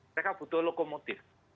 mereka butuh lokomotif